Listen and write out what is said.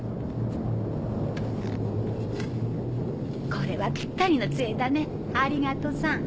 これはピッタリの杖だねありがとさん。